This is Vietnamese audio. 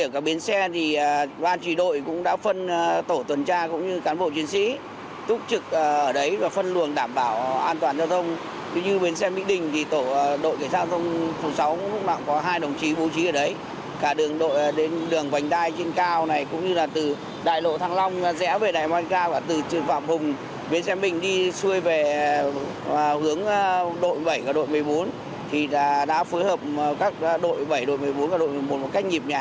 đội bảy và đội một mươi bốn đã phối hợp các đội bảy đội một mươi bốn và đội một mươi một một cách nhịp nhãn không để xảy ra un tắc